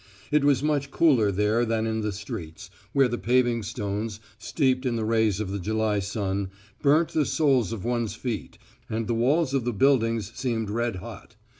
It was much cooler there than in the streets, where the paving stones, steeped in the rays of the July sun, burnt the soles of one's feet, and the walls of the buildings seemed red hot.